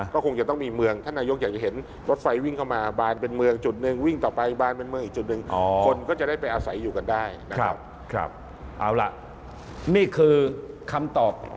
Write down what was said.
ก็คงจะต้องมีเมืองถ้านายกอยากจะเห็น